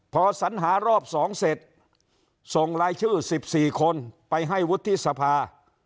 พอสัญหารอบสองเสร็จส่งรายชื่อสิบสี่คนไปให้วุฒิษภา